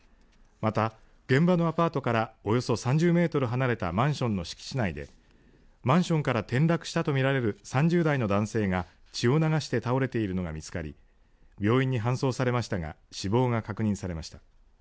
また現場のアパートからおよそ３０メートル離れたマンションの敷地内でマンションから転落したと見られる３０代の男性が血を流して倒れているのが見つかり病院に搬送されましたが死亡が確認されました。